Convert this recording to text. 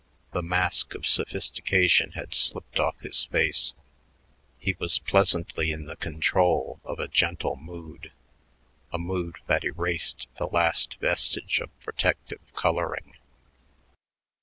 The mask of sophistication had slipped off his face; he was pleasantly in the control of a gentle mood, a mood that erased the last vestige of protective coloring.